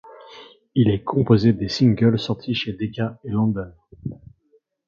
Il est composé des singles sortis chez Decca et London.